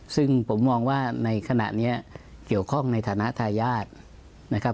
ซึ่งผมมองว่าในขณะนี้เกี่ยวข้องในฐานะทายาทนะครับ